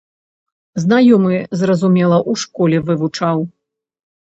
Знаёмы, зразумела, у школе вывучаў.